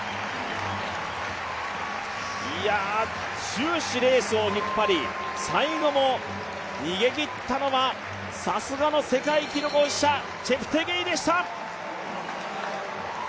終始レースを引っ張り、最後も逃げ切ったのはさすがの世界記録保持者、チェプテゲイでした。